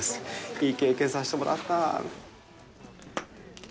いい経験をさせてもらった。